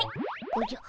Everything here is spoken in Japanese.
おじゃ？